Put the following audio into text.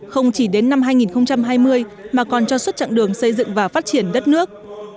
không chỉ đến năm hai nghìn hai mươi mà còn cho suốt chặng đường xây dựng và phát triển đất nước